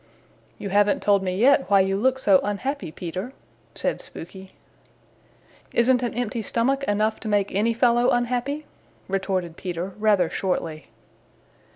"You haven't told me yet why you look so unhappy, Peter," said Spooky. "Isn't an empty stomach enough to make any fellow unhappy?" retorted Peter rather shortly.